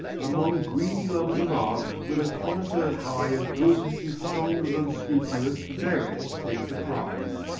Among greedy lovers of art, with a connoisseur's eye as good as his soul was unscrupulous, Verres takes the prize.